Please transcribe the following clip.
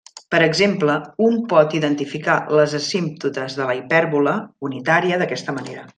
Per exemple, un pot identificar les asímptotes de la hipèrbola unitària d'aquesta manera.